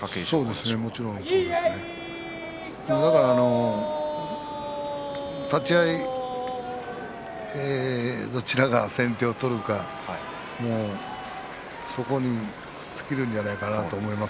もちろん立ち合いどちらが先手を取るかそこに尽きるんじゃないかなと思います。